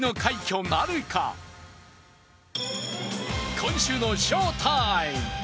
今週の翔タイム！